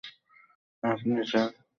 আপনি, স্যার!